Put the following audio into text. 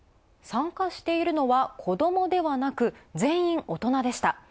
参加しているのは子どもではなく全員大人でした。